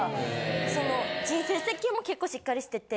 その人生設計も結構しっかりしてて。